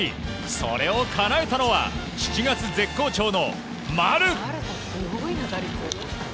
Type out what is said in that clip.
それをかなえたのは７月絶好調の丸！